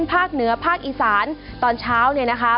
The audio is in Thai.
แล้วภาคอีสานตอนเช้า